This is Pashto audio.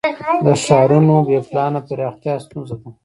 د ښارونو بې پلانه پراختیا ستونزه ده.